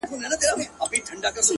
دعا ; دعا ;دعا ; دعا كومه;